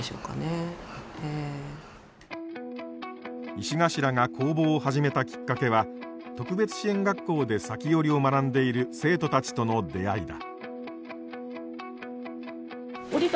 石頭が工房を始めたきっかけは特別支援学校で裂き織を学んでいる生徒たちとの出会いだ。